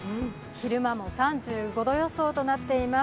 昼間も３５度予想となっています。